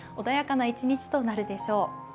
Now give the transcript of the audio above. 穏やかな一日となるでしょう。